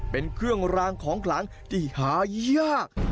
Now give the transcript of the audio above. เป็นเครื่องรางของขลังที่หายาก